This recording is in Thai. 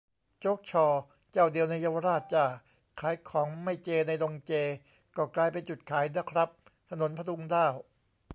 'โจ๊ก 'ชอ' เจ้าเดียวในเยาวราชจ้า' ขายของไม่เจ ในดงเจ ก็กลายเป็นจุดขายนะครับ ถนนผดุงด้าว